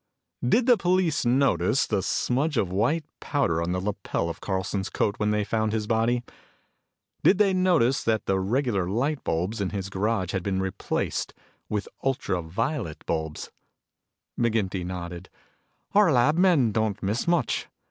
"Did the police notice the smudge of white powder on the lapel of Carlson's coat when they found his body? Did they notice that the regular light bulbs in his garage had been replaced with ultra violet bulbs?" McGinty nodded. "Our lab men don't miss much.